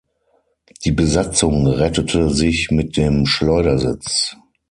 Die Besatzung rettete sich mit dem Schleudersitz.